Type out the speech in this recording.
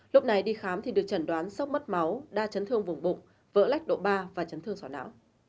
lúc này đi khám thì được chẩn đoán sốc mất máu đa chấn thương vùng bụng vỡ lách độ ba và chấn thương sỏ não